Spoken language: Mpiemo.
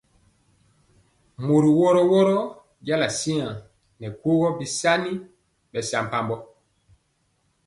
Mɔri wɔro wɔro jala siaŋg nɛ aguógó bisaŋi bɛsampabɔ.